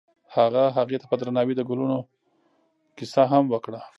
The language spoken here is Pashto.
هغه هغې ته په درناوي د ګلونه کیسه هم وکړه.